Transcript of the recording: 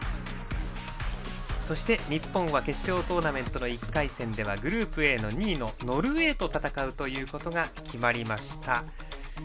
そして、日本は決勝トーナメントの１回戦ではグループＡの２位のノルウェーと戦うことが決まりました。